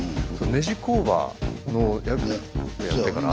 ネジ工場の役やってから。